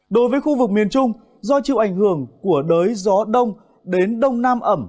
đối với khu vực miền trung do chịu ảnh hưởng của đới gió đông đến đông nam ẩm